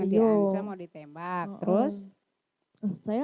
diancam mau ditembak terus